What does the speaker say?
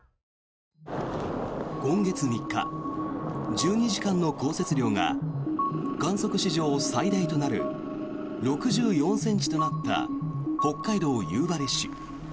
今月３日、１２時間の降雪量が観測史上最大となる６４ｃｍとなった北海道夕張市。